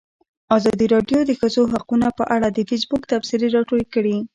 ازادي راډیو د د ښځو حقونه په اړه د فیسبوک تبصرې راټولې کړي.